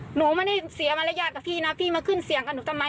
หนูไม่ได้เสียมารยาทกับพี่นะพี่มาขึ้นเสียงกับหนูทำไม